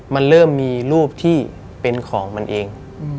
มันเริ่มมีรูปที่เป็นของมันเอง